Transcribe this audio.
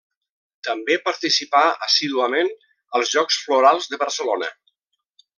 També participà assíduament als Jocs Florals de Barcelona.